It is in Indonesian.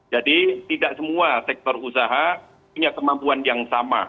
jadi tidak semua sektor usaha punya kemampuan yang sama